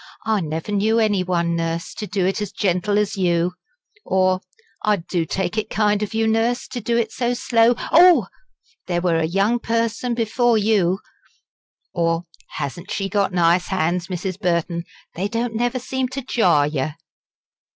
"I never knew any one, Nurse, do it as gentle as you " or "I do take it kind of you, Nurse, to do it so slow oh! there were a young person before you " or "hasn't she got nice hands, Mrs. Burton? they don't never seem to jar yer."